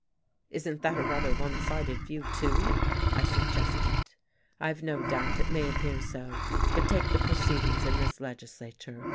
"Isn't that a rather one sided view, too?" I suggested. "I've no doubt it may appear so, but take the proceedings in this legislature.